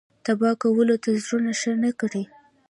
تبا کولو ته زړونه ښه نه کړي.